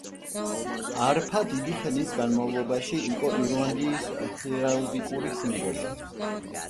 არფა დიდი ხნის განმავლობაში იყო ირლანდიის ჰერალდიკური სიმბოლო.